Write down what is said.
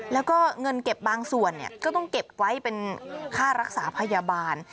แล้วก็เงินเก็บบางส่วนก็ต้องเก็บไว้เป็นค่ารักษาพยาบาล